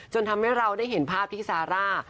ทำให้เราได้เห็นภาพที่ซาร่า